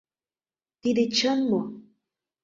Тиде чын мо?!